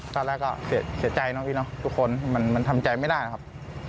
ตอนแรกก็เสียใจเนาะพี่เนาะทุกคนมันทำใจไม่ได้นะครับ